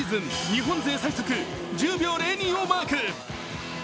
日本最速１０秒２０をマーク。